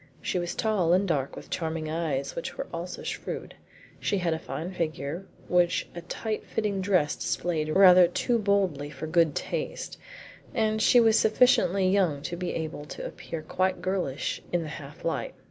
She was tall and dark, with charming eyes which were also shrewd; she had a fine figure which a tight fitting dress displayed rather too boldly for good taste, and she was sufficiently young to be able to appear quite girlish in the half light.